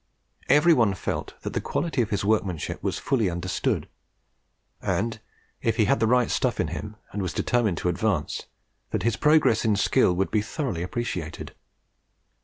Every one felt that the quality of his workmanship was fully understood; and, if he had the right stuff in him, and was determined to advance, that his progress in skill would be thoroughly appreciated.